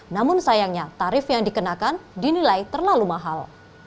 namun sayangnya tarif yang dikenakan dinilai terlalu mahal